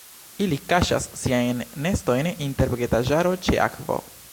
Ili kaŝas siajn nestojn inter vegetaĵaro ĉe akvo.